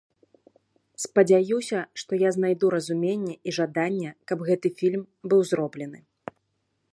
Спадзяюся, што я знайду разуменне і жаданне каб гэты фільм быў зроблены.